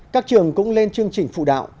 các trường cũng lên chương trình phụ đạo